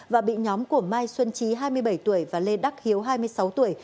và bị nhóm của mai xuân trí hai mươi bảy tuổi và lê đắc hiếu hai mươi sáu tuổi